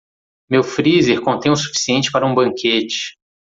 Meu freezer contém o suficiente para um banquete.